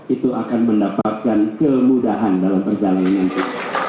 itu akan mendapatkan kemudahan dalam perjalanan nanti